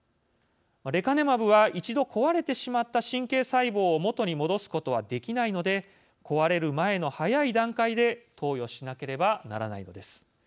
レカネマブは一度壊れてしまった神経細胞を元に戻すことはできないので壊れる前の早い段階で投与しなければならないのです。